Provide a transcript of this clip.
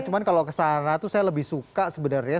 cuma kalau ke sana itu saya lebih suka sebenarnya